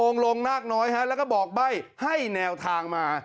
ลงนาคน้อยฮะแล้วก็บอกใบ้ให้แนวทางมา